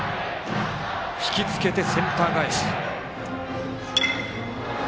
引きつけてセンター返し。